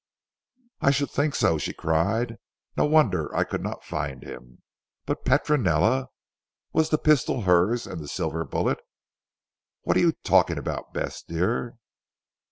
"I should think so," she cried. "No wonder I could not find him. But Petronella. Was the pistol hers and the silver bullet?" "What are you talking about, Bess dear?"